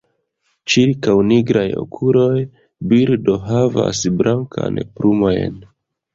Ĉirkaŭ nigraj okuloj birdo havas blankan plumojn.